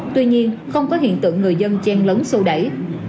tuy nhiên không có hiện tượng người dân chen lấn sô đẩy